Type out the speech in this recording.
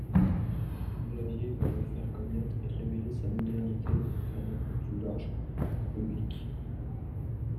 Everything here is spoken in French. Blavier va le faire connaître et révéler sa modernité auprès d'un plus large public.